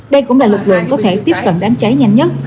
nếu lực lượng có thể tiếp cận đám cháy nhanh nhất